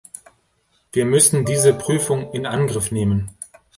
Wir müssen diese Prüfung in Angriff nehmen.